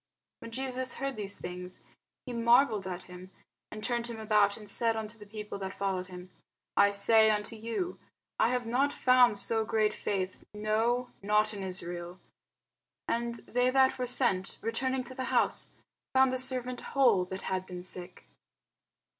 When Jesus heard these things, he marvelled at him, and turned him about, and said unto the people that followed him, I say unto you, I have not found so great faith, no, not in Israel. And they that were sent, returning to the house, found the servant whole that had been sick.